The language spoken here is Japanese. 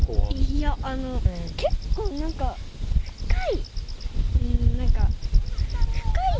いや、結構、なんか深い。